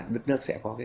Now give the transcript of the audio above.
đức nước sẽ có